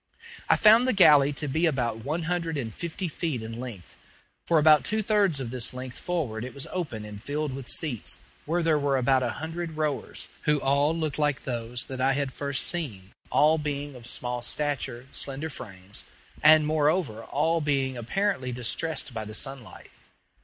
I found the galley to be about one hundred and fifty feet in length. For about two thirds of this length forward it was open and filled with seats, where there were about a hundred rowers, who all looked like those that I had first seen, all being of small stature, slender frames, and, moreover, all being apparently distressed by the sunlight.